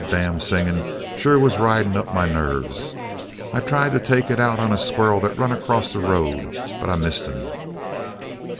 That damn singing sure was riding my nerves. I tried to take it out on a squirrel that run across the road but I missed him.